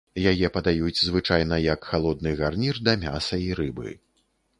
Яе падаюць, звычайна, як халодны гарнір да мяса і рыбы.